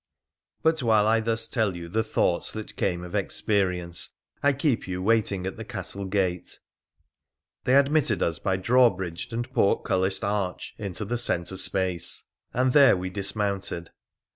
But while I thus tell you the thoughts that came of experience, I keep you waiting at the castle gate. They admitted us by drawbridge and portcullised arch into the centre space, and there we dismounted.